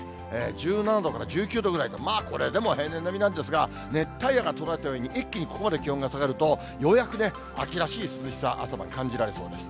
１７度から１９度ぐらいと、まあ、これでも平年並みなんですが、熱帯夜が途絶えたように、一気にここまで気温が下がると、ようやくね、秋らしい涼しさ、朝まで感じられそうです。